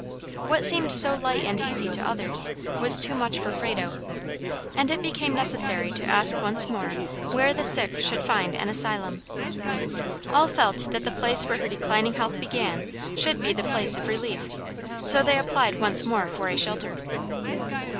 What seemed so light and easy to others, was too much for Frado; and it became necessary to ask once more where the sick should find an asylum. All felt that the place where her declining health began, should be the place of relief; so they applied once more for a shelter.